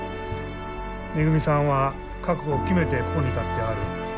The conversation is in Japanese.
めぐみさんは覚悟を決めてここに立ってはる。